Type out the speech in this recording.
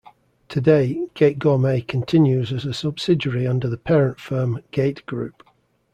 Today, Gategourmet continues as a subsidiary under the parent firm Gate Group.